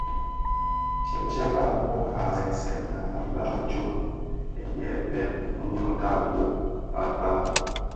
Tsèba wua a ghèsèga iba tsom yè bheg mum tafog kpag.